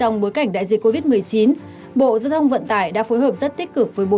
trong bối cảnh đại dịch covid một mươi chín bộ giao thông vận tải đã phối hợp rất tích cực với bộ